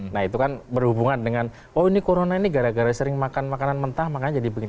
nah itu kan berhubungan dengan oh ini corona ini gara gara sering makan makanan mentah makanya jadi begini